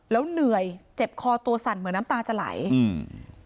แล้วเหนื่อยเจ็บคอตัวสั่นเหมือนน้ำตาจะไหลอืม